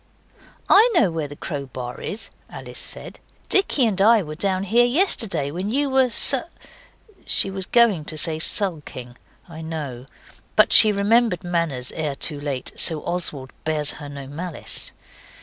'I know where the crowbar is,' Alice said. 'Dicky and I were down here yesterday when you were su ' She was going to say sulking, I know, but she remembered manners ere too late so Oswald bears her no malice.